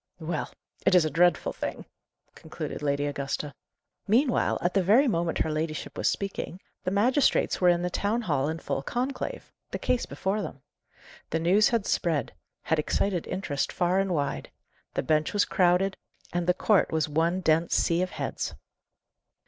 "Well, it is a dreadful thing!" concluded Lady Augusta. Meanwhile, at the very moment her ladyship was speaking, the magistrates were in the town hall in full conclave the case before them. The news had spread had excited interest far and wide; the bench was crowded, and the court was one dense sea of heads.